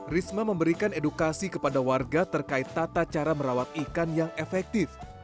risma memberikan edukasi kepada warga terkait tata cara merawat ikan yang efektif